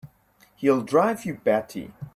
He'll drive you batty!